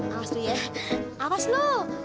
awas lu ya awas lu